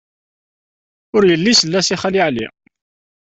Ur yelli isell-as i Xali Ɛli.